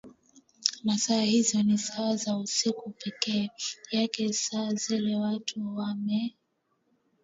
na saa hizo ni saa za usiku pekee yake saa zile watu wamee